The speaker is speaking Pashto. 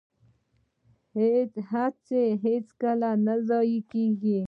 هڅه هیڅکله ضایع نه کیږي